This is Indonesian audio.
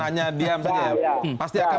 hanya diam saja ya pasti akan